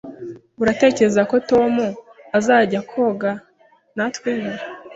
Uratekereza ko Tom azajya koga natwe ejo?